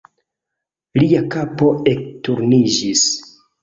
Lia kapo ekturniĝis.